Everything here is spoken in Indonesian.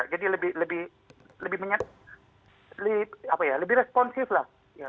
jadi lebih responsif lah